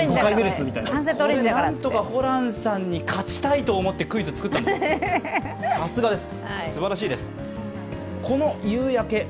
これ何とかホランさんに勝ちたいと思ってクイズ作ったんです、さすがです。